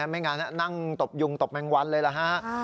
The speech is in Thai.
ไม่งั้นนั่งตบยุงตบแมงวันเลยล่ะฮะ